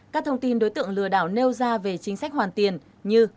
các thông tin đối tượng lừa đảo nêu ra về chính sách hoàn tiền như